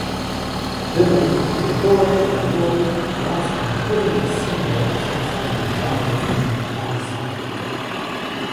De même, Ettore Romagnoli lance une polémique similaire, sur fond de germanophobie grandissante.